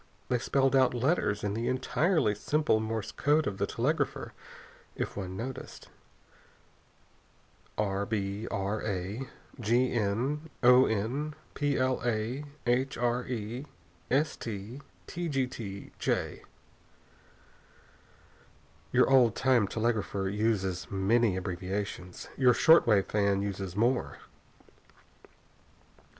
They spelled out letters in the entirely simple Morse code of the telegrapher, if one noticed. "RBRA GN ON PLA HRE ST TGT J." Your old time telegrapher uses many abbreviations. Your short wave fan uses more.